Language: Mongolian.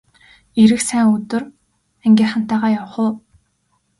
Ирэх сайн өдөр ангийнхантайгаа явах уу!